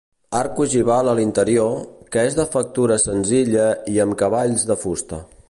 Arc ogival a l'interior, que és de factura senzilla i amb cavalls de fusta.